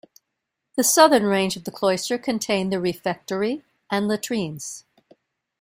The southern range of the cloister contained the refectory and latrines.